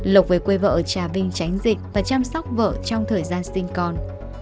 lộc về quê vợ trả bình tránh dịch và chăm sóc vợ trong thời gian sinh con